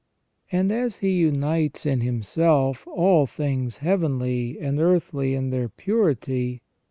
And as He unites jn Himself all things heavenly and earthly in their purity.